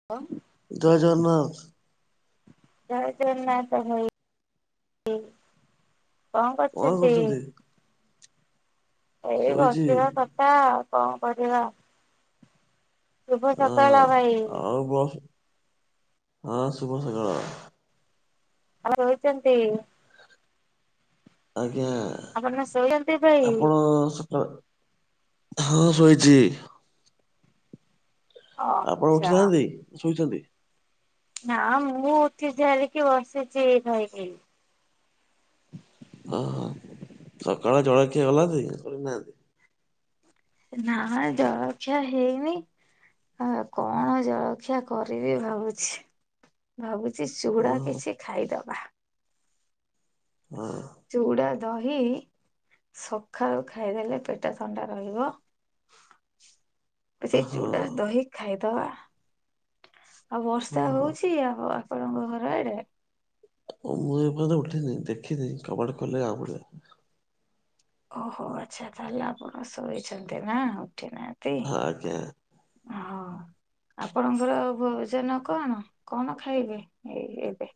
[unintelligible] ଜୟ ଜଗନ୍ନାଥ। ଜୟ ଜଗନ୍ନାଥ ଭାଇ କଁ କଣ କରୁଚନ୍ତି। କରୁଛନ୍ତି? ଏଇ ଶୋଇଛି ବସିବା କଥା ଆଉ କଁ କରିବା। ଶୁଭ ହଁ ସକାଳ ଭାଇ। ଆଉ ବ୍ରସ୍ ହଁ ଶୁଭ ସକାଳ। [unintelligible] ଆଜ୍ଞା ଆପଣ ଶୋଇଛନ୍ତି ଭାଇ? ଆପଣ ସକାଳ ହଁ ଶୋଇଛି। ଆପଣ ଆଚ୍ଛା ଉଠିନାହାନ୍ତି ଶୋଇଛନ୍ତି। ନାଁ ମୁଁ ଉଠି ସାରିକି ବସିଚି ଏଇ ଖାଇ ପିଇ ଓହୋ ସକାଳ ଜଳଖିଏ [unintelligible] କରିନାହାନ୍ତି। ନା ଜଳଖିଆ ହେଇନି। ଆ କଣ ଜଳଖିଆ କରିବି ଭାବୁଛି। ଭାବୁଚି ଚୁଡା ଓହୋ କିଛି ଖାଇଦବା। ହଁ। ଚୁଡ଼ା ଦହି ସଖାଳୁ ଖାଇଦେଲେ ପେଟ ଥଣ୍ଡା ରହିବ। ତ ସେଇ ହଁ। ଚୁଡ଼ା ଦହି ଖାଇଦବା। ଆଉ ବର୍ଷା ଓହୋ ହଉଛି ଆପ ଆପଣଙ୍କ ଘର ଆଡେ? ଓ ମୁଁ ଏପର୍ଯ୍ୟନ୍ତ ଉଠିନି ଦେଖିନି କବାଟ ଖୋଲିଲେ ଜଣା ପଡିବ। ଓହୋ ଆଚ୍ଛା ତାହେଲେ ଆପଣ ଶୋଇଛନ୍ତି ନା। ଉଠି ନାହା ଆଜ୍ଞା। ଏ ହଁ। ଆପଣଙ୍କର ଭୋଜନ କଣ କଣ ଖାଇବେ ଏ ଏବେ?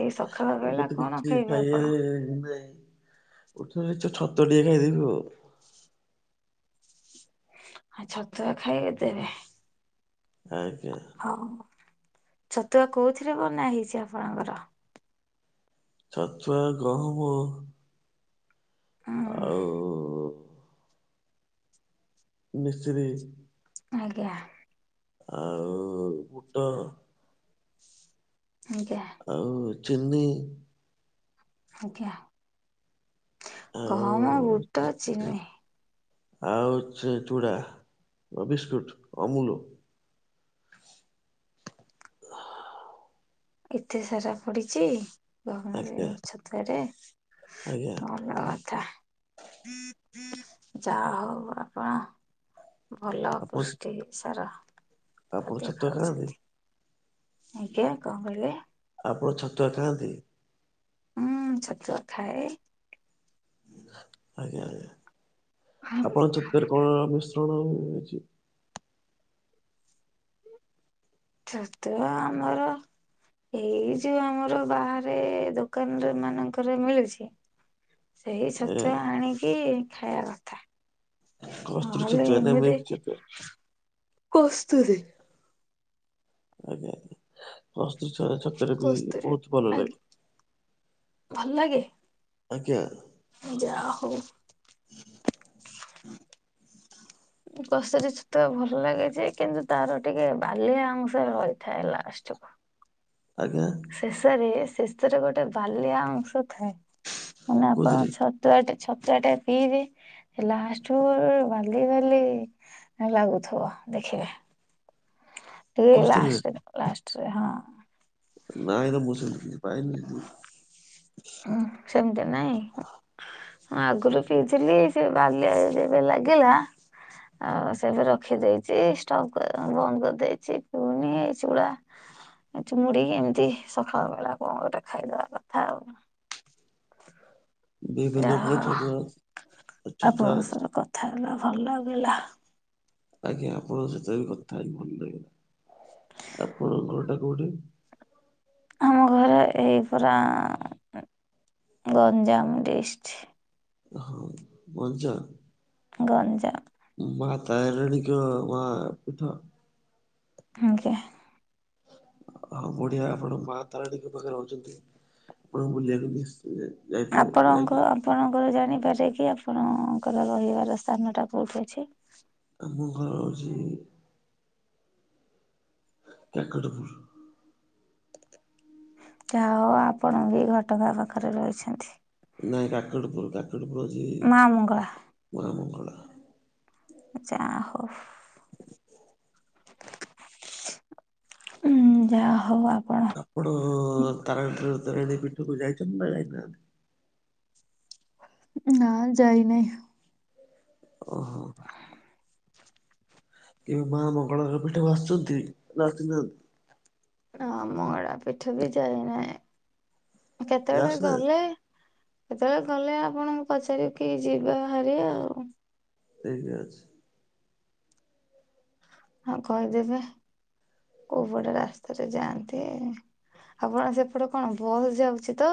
ଏଇ ସକାଳ ଏବେ ବେଳା ତ କଣ କିଛି ଖାଇବେ ଖାଇବା ଆପଣ? ର ନାଇ। ଉଠିନେ ସେ ଛତୁ ଟିକେ ଖାଇଦେବି ମୁଁ। ଆ ଛତୁଆ ଖାଇବି ତେବେ। ଆଜ୍ଞା। ହଉ ଛତୁଆ କୋଉଥିରେ ବନା ହେଇଛି ଆପଣଙ୍କର? ଛତୁଆ ଗହମ ହୁଁ ଆଉ ମିଶ୍ରି ଆଜ୍ଞା। ଆଉ ବୁଟ ଆଜ୍ଞା। ଆଉ ଚିନି ଆଜ୍ଞା ଆଉ ଗହମ ବୁଟ ଚିନି ଆଉ ସେ ଚୂଡ଼ା ଓ ବିସ୍କୁଟ୍ ଅମୁଲୁ। ଏତେ ସାରା ପଡିଛି ଗହଣରେ ଆଜ୍ଞା ଛତୁଆରେ। ଆଜ୍ଞା ହଁ ନ ଥା ଯାହା ହଉ ଆପଣ ଭଲ ଆପଣ ପୃଷ୍ଟି ସାର। ଆପଣ ଖାଦ୍ୟ ଛତୁଆ ଖାଆନ୍ତି ଖାଉଛନ୍ତି। ଆଜ୍ଞା କଣ କହିଲେ? ଆପଣ ଛତୁଆ ଖାଆନ୍ତି? ଉଁ, ଛତୁଆ ଖାଏ। ଆଜ୍ଞା, ଆଜ୍ଞା ଆପଣଙ୍କ ଛତୁଆରେ କଣ ମିଶ୍ରଣ ଅଛି? ଛତୁଆ ଆମର ଏଇ ଯୋଉ ଆମର ବାହାରେ ଦୋକାନ ମାନଙ୍କରେ ମିଳୁଛି। ସେହି ଆଜ୍ଞା ଛତୁଆ ଆଣିକି ଖାଇବା କଥା। କସ୍ତୁରୀ ନହେଲେ ଛତୁଆ ନା ଏମିତି ମିକ୍ସ ଛତୁଆ କସ୍ତୁରି ଆଜ୍ଞା, ଆଜ୍ଞା କସ୍ତୁରି ଛ-ଛତୁଆର ବି କସ୍ତୁରୀ ବହୁତ ଭଲ ଆଜ୍ଞା ଲାଗେ। ଭଲ ଲାଗେ? ଆଜ୍ଞା। ଯା ହଉ। କସ୍ତୁରୀ ଛତୁଆ ଭଲ ଲାଗେ ଯେ କିନ୍ତୁ ତାର ଟିକେ ବାଲିଆ ଅଂଶ ରହିଥାଏ ଲାଷ୍ଟ କୁ। ଆଜ୍ଞା। ଶେଷରେ ଶେଥିରେ ଗୋଟେ ବାଲିଆ ଅଂଶ ଥାଏ। ମାନେ କୋଉଥିରେ ଆପଣଙ୍କ ଛ ତୁଆ ଟେ ଛତୁଆ ଟେ ପିଇବି ଏ ଲାଷ୍ଟ କୁ ବାଲି ବାଲି ହେଁ ଲାଗୁଥୁବ ଦେଖିବେ। ଟି କସ୍ତୁରୀରେ ଲାଷ୍ଟ କୁ ଲାଷ୍ଟରେ ହଁ। ନାଇଁରେ ମୁଁ ସେମିତି କିଛି ପାଇନି। ଉଁ, ସେମିତି ନାହିଁ। ମୁଁ ଆଗରୁ ପିଉଥିଲି ସେ ବାଲି ବାଲି ଯୋଉ ଲାଗିଲା ଆଉ ସେବେ ରଖିଦେଇଚି ଷ୍ଟୋକ ଅ, ବନ୍ଦ କରିଦେଇଛି ପୁଣି ଏ ଚୁଡା ନାଇଁ ତ ମୁଡି ଏମିତି ସଖାଳ ବେଳା କଣ ଗୋଟେ ଖାଇଦବା କଥା ଆଉ। ବିଭିନ୍ନ ଜାହୋ ପ୍ରକାର ଛତୁଆ ଛତୁଆ ଆପଣଙ୍କ ସ କଥା ହେଲା ଭଲ ଲାଗିଲା। ଆଜ୍ଞା ଆପଣଙ୍କ ସତ ବି କଥା ହେଇ ଭଲ ଲାଗିଲା ଆପଣ ଘର ଟା କୋଉଠି? ଆମ ଘର ଏହି ପରା ଗଞ୍ଜାମ ଡିଷ୍ଟି। ହଁ ମଞ୍ଚ ଗଞ୍ଜାମ। ମା ତାରଣୀଙ୍କ ମା ପିଠ ଆଜ୍ଞା। ହଁ ବଢିଆ ଆପଣ ମା ତାରାଣୀଙ୍କ ପାଖରେ ରହୁଛନ୍ତି ଆପଣ ବୁଲିବାକୁ ବି ଯା ଯାଇ ଆପଣଙ୍କ ଆପଣଙ୍କର ଜାଣିପାରେ କି ଆପଣଙ୍କର ରହିବାର ସ୍ଥାନ ଟା କୋଉଠି ଅଛି? ଆମ ଘର ହେଉଛି ମେକ ଟୁକୁୁର୍। ଯାହା ହେଉ ଆପଣ ବି ଘଟଗାଁ ପାଖରେ ରହିଛନ୍ତି। ନାଇଁ କାକଟପୁର କାକଟପୁର ଅଛି ମା ମଙ୍ଗଳା ମା ମଙ୍ଗଳା। ଯାହୋ। ଉଁ ଯାହା ହଉ ଆ ଆପଣ ତାରାଣୀରୁ ତାରିଣୀ ପିଠକୁ ଯାଇଛନ୍ତି ନା ଯାଇନାହାନ୍ତି। ନା ଯାଇନାହିଁ। ଓହୋ। କେବେ ମା ମଙ୍ଗଳା ଘର ପେଠାକୁ ଆସିଛନ୍ତି ନା ଆସିନାହାନ୍ତି। ନା ମଙ୍ଗଳା ପିଠ ବି ଯାଇନାହିଁ କେତେବେଳେ ଆସିନାହାନ୍ତି? ଗଲେ କେତେବେଳେ ଗଲେ ଆପଣଙ୍କୁ ପଚାରି କି ଯିବା ହେରି ଆଉ। ଠିକ୍ ଅଛି। ହଁ କହିଦେବେ କୋଉ ପଟେ ରାସ୍ତାରେ ଯାଆନ୍ତି। ଆପଣ ସେପଟେ କଣ ବସ୍ ଯାଉଛି ତ।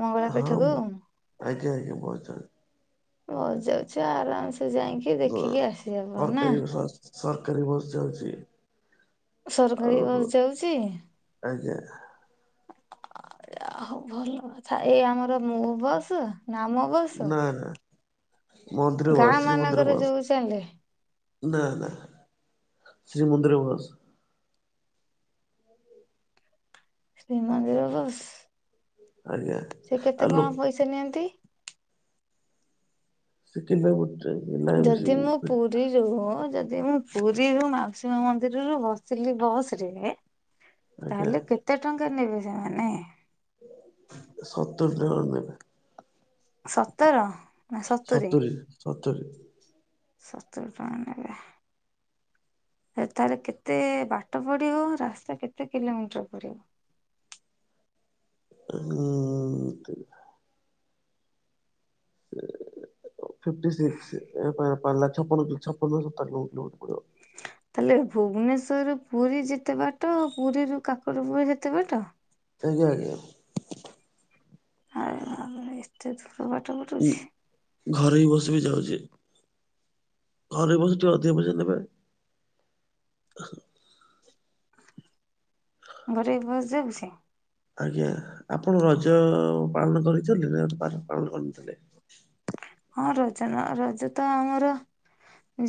ମଙ୍ଗଳା ହଁ ପୀଠକୁ? ମୁଁ ଆଜ୍ଞା ଆଜ୍ଞା ବସ୍ ଯାଉଛି। ବସ ଯାଉଛି ଆରାମସେ ଯାଇଁ କି ତ ସରକାରୀ ସସ୍ ସରକାରୀ ବସ୍ ଚାଲୁଛି। ସରକାରୀ ବସ୍ ଯାଉଛି। ଆଜ୍ଞା ହଉ ଭଲ କଥା ଏଇ ଆମର ମୁଁ ବସ୍ ନାମ ନା ନା ମନ୍ଦିର ଗାଁ ବସ ଶ୍ରୀମନ୍ଦିର ମାନଙ୍କରେ ବସ। ଯୋଉ ଚାଲେ ନା ନା ଶ୍ରୀ ମନ୍ଦିର ବସ୍। ଶ୍ରୀମନ୍ଦିର ବସ୍। ଆଜ୍ଞା। ସେ କେତେ ଆଉ ଲୋ କଣ ପଇସା ନିଅନ୍ତି? ସେକିନ୍ ପାଇଁ ବୁଟେ ଯଦି ମୁଁ ପୁ ରୀରୁ ଯଦି ମୁଁ ପୁରୀରୁ ମାଉସୀ ମାଁ ମନ୍ଦିରରୁୁ ବସିଲି ବସରେ ଆଜ୍ଞା ତାହେଲେ କେତେ ଟଙ୍କା ନେବେ ସେମାନେ? ସତୁରି ଟଙ୍କାନେବେ। ସତର ନା ସତୁରି। ସତୁରି। ସତୁରି ଟଙ୍କା ନେଲା। ତାର କେତେ ବାଟ ପଡିବ ରାସ୍ତା କେତେ କିଲୋମିଟର ପଡିବ? ହୁଁ ଠିକ। ଫିଫ୍ଟି ସିକ୍ସି ପାଲା ଛପନ ଛପନ ସତର କିଲୋମିଟର ଭ ପଡିବ। ତାହେଲେ ଭୁବନେଶ୍ଵରରୁୁ ପୁରୀ ଯେତେ ବାଟ ପୁରୀରୁୁ କାକଟ ପୁର ଯେତେ ବାଟ। ଆଜ୍ଞା ଆଜ୍ଞା। ଆରେ ଏତେ ଦୂର ବାଟ ପଡୁଛି। ଘରେଇ ବସ ବିି ଯାଉଛି। ଘରେଇ ବସ୍ ଟିକେ ଅଧିକା ପଇସା ନେବେ। ଘରେଇ ବସ୍ ଯାଉଚି। ଆଜ୍ଞା ଆପଣ ରଜ ପାଳନ କରିଛନ୍ତି ନା ପା ପାଳନ କରିନଥିଲେ? ହଁ ରଜନ ରଜ ତ ଆମର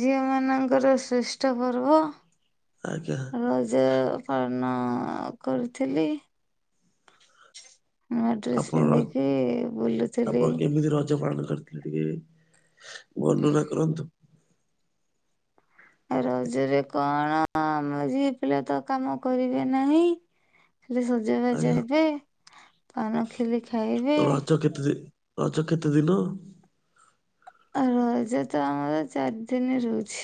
ଝିଅମାନଙ୍କର ଶ୍ରେଷ୍ଠ ପର୍ବ। ଆଜ୍ଞା। ରଜ ପାଳନ କରୁଥିଲି। ନୂଆ ଡ୍ରେସ୍ ଆପଣ ର ପିନ୍ଧିକି ବୁଲୁଥିଲି। ଆପଣ କେମିତି ରଜ ପାଳନ କରି ଟିକେ ବର୍ଣ୍ଣନା କରନ୍ତୁ। ରଜରେ କଣ ଆମ ଝିଅ ପିଲା ତ କାମ କରିବେ ନାହିଁ। ଖାଲି ସଜବାଜ ଆଜ୍ଞା ହେବେ ପାନ ଖିଲି ଖାଇବେ। ରଜ କେତେ ଦି ରଜ କେତେ ଦିନ ରଜ ତ ଆମର ଚାରି ଦିନ ରହୁଛି।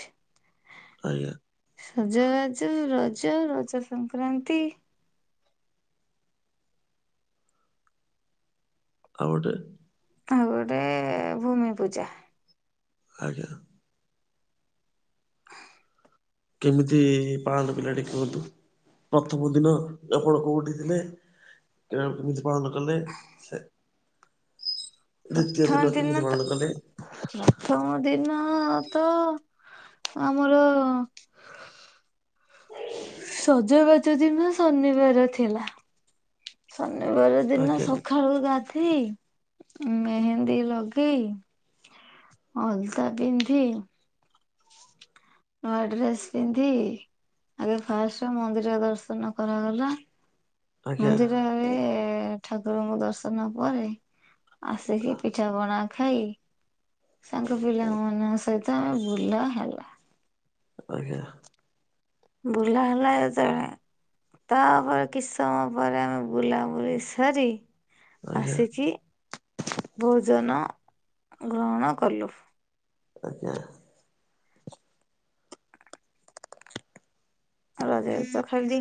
ଆଜ୍ଞା। ସଜବାଜ ରଜ ରଜ ସଂକ୍ରାନ୍ତି ଆଉ ଗୋଟେ ଆଉ ଗୋଟେ ଭୂମି ପୂଜା। ଆଜ୍ଞା। କେମିତି ପାଳନ ପିଲାଟି କୁହନ୍ତୁ ପ୍ରଥମ ଦିନ ଆପଣ କୋଉଠି ଥିଲେ? କେମିତି ପାଳନ କଲେ ସେ ଦ୍ଵିତୀୟ ପ୍ରଥମ ଦିନ କେମିତି ତ ପାଳନ କଲେ? ପ୍ରଥମ ଦିନ ତ ଆମର ସଜବାଜ ଦିନ ଶନିବାର ଥିଲା। ଶନିବାର ଦିନ ଆଜ୍ଞା ସକାଳୁ ଗାଧେଇ ମେହେନ୍ଦୀ ଲଗେଇ ଅଲତା ପିନ୍ଧି ନୂଆ ଡ୍ରେସ ପିନ୍ଧି ଆଗେ ଫାଷ୍ଟ ମନ୍ଦିର ଦର୍ଶନ କରାଗଲା। ଆଜ୍ଞା ମନ୍ଦିରରେ ଠାକୁରଙ୍କୁ ଦର୍ଶନ ପରେ ଆସିକି ପିଠାପଣା ଖାଇ ସାଙ୍ଗ ପିଲାମାନଙ୍କ ସହିତ ବୁଲା ହେଲା। ଆଜ୍ଞା। ବୁଲା ହେଲା ଯେତବଳେ ତାପରେ କିଛି ସମୟ ପରେ ଆମେ ବୁଲାବୁଲି ସାରି ଆଜ୍ଞା ଆସିକି ଭୋଜନ ଗ୍ରହଣ କଲୁ। ଆଜ୍ଞା। ରଜ ରେ ତ ଖେଲଦି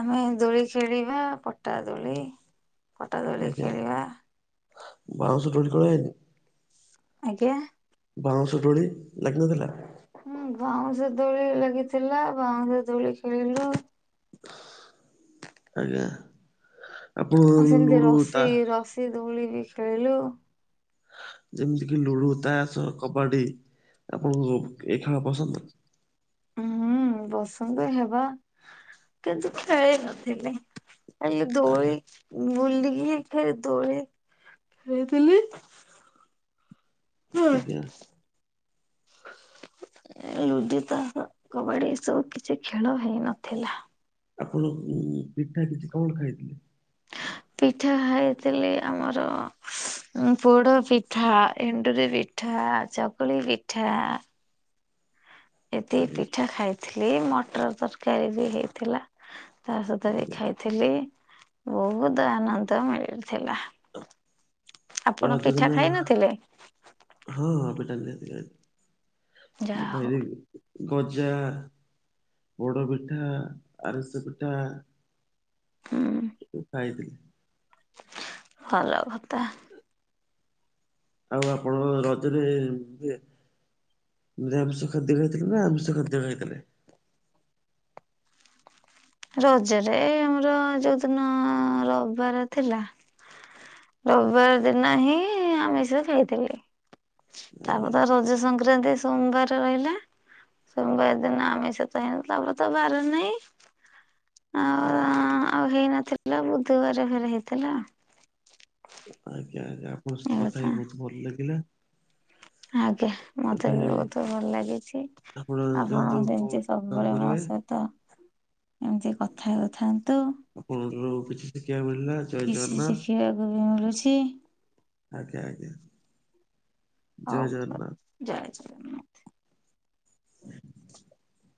ଆମେ ଦୋଳି ଖେଳିବା ପଟା ଦୋଳି। ପଟା ଦୋଳି ଆଜ୍ଞା। ଖେଳିବା। ବାଉଁଶ ଦୋଳି କରାହେଇନି? ଆଜ୍ଞା ବାଉଁଶ ଦୋଳି ଲାଗି ନ ଥିଲା? ହୁଁ ବାଉଁଶ ଦୋଳି ଲାଗିଥିଲା ବାଉଁଶ ଦୋଳି ଖେଳିଲୁ। ଆଜ୍ଞା। ଆପଣ ସେମିତି ଲୁଡୁ ତା ରସି ରସି ଦୋଳି ବି ଖେଳିଲୁ। ଯେମିତି କିି ଲୁଡୁ ତାସ କବାଡି ଆପଣଙ୍କୁ ଏ ଖେଳ ପସନ୍ଦ? ହୁଁ ପସନ୍ତ ହେବା କିନ୍ତୁ ଖେଳି ନଥିଲି। ଖାଲି ଦୋଳି ଆଜ୍ଞା ବୁଲିକି ଖାଲି ଦୋଳି ଖେଳିଥିଲି। ଆଜ୍ଞା। ହ ଲୁଡୁ ତାସ କବାଡି ଏ ସବୁ କିଛି ଖେଳ ହେଇନଥିଲା। ଆପଣ ପିଠା କିଛି କଣ ଖାଇଥିଲେ? ପିଠା ଖାଇଥିଲି ଆମର। ପୋଡ ପିଠା ଏଣ୍ଡୁରି ପିଠା ଚକୁଳି ପିଠା। ଏତିିକି ଆଜ୍ଞା ପିଠା ଖାଇଥିଲି ମଟର ତରକାରୀ ବି ହେଇଥିଲା ତା ସହିତ ବି ଆଜ୍ଞା ଖାଇ ଥିଲି ବହୁତ ଆନନ୍ଦ ମିଳିଥିଲା। ଆପଣ ରଜ ଦିନ ପିଠା ଖାଇ ନଥିଲେ? ହଁ ହଁ ପିଠା ନିହାତି ଖାଇଥିଲି ମୁଁ ଯାହା ହଉ। ଖାଇଦେବି। ଗଜା ପୋଡ଼ ପିଠା ଆରିସା ପିଠା। ହୁଁ ସେ ଖାଇଥିଲି। ଭଲ କଥା। ଆଉ ଆପଣଙ୍କ ରଜରେ ନିରାମିଷ ଖାଦ୍ୟ ଖାଇଥିଲେ ନା ଆମିଷ ଖାଦ୍ୟ ଖାଇଥିଲେ? ରଜରେ ଆମର ଯଉଦିନ ରବିବାର ଥିଲା ରବିବାର ଦିନ ହିଁ ଆମିଷ ଖାଇଥିଲି। ଆଜ୍ଞା ତାପରେତ ରଜ ସଂକ୍ରାନ୍ତି ସୋବାରେ ରହିଲା। ସୋମବାର ଦିନ ଆମିଷତ ହେଇନଥିଲା ତାପରେ ତ ବାର ନାହିଁ। ଆଉ ଆଜ୍ଞା। ଆଉ ହେଇନଥିଲା ବୁଧବାର ଫେରେ ହେଇଥିଲା। ଆଜ୍ଞା ଆଜ୍ଞା ଆପଣଙ୍କ ସହିତ କଥା ହେଇ ବହୁତ ଭଲ ଲାଗିଲା। ଆଜ୍ଞା ମତେ ଏବେ ବି ବହୁତ ଭଲ ଲାଗିଛି। ଆପଣ ଯାଆନ୍ତୁ କଣ ଯେମିତି କାମ ସବୁବେଳେ ମ କରିବେ। ସହିତ ଏମିତି କଥା ହେଉଥାନ୍ତୁ। ଆପଣଙ୍କଠୁ କିଛି ଶିଖିବାକୁ ମିଳିଲା। ଜୟ କିଛି ଜଗନ୍ନାଥ ଶିଖିବାକୁ ବି ମିଳୁଛି। ଆଜ୍ଞା ଆଜ୍ଞା ହଉ ଜୟ ଜଗନ୍ନାଥ। ଜୟ ଜଗନ୍ନାଥ। ହ